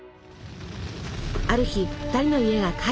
ある日２人の家が火事に。